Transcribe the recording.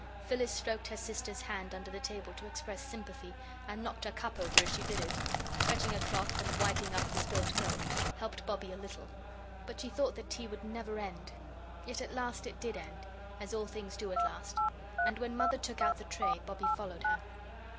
Phyllis stroked her sister's hand under the table to express sympathy, and knocked her cup over as she did it. Fetching a cloth and wiping up the spilt milk helped Bobbie a little. But she thought that tea would never end. Yet at last it did end, as all things do at last, and when Mother took out the tray, Bobbie followed her.